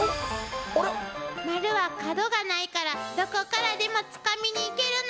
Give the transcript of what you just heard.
丸は角がないからどこからでもつかみにいけるの！